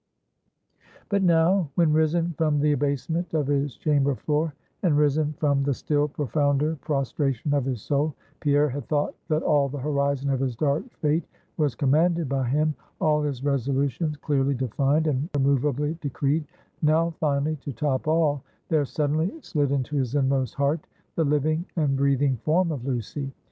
But now, when risen from the abasement of his chamber floor, and risen from the still profounder prostration of his soul, Pierre had thought that all the horizon of his dark fate was commanded by him; all his resolutions clearly defined, and immovably decreed; now finally, to top all, there suddenly slid into his inmost heart the living and breathing form of Lucy.